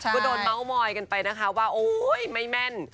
ก็โดนเมาส์มอยกันไปนะคะว่าโอ๊ยไม่แม่น